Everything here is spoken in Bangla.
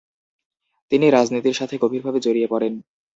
তিনি রাজনীতির সাথে গভীরভাবে জড়িয়ে পড়েন।